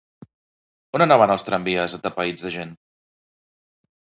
On anaven els tramvies, atapeïts de gent?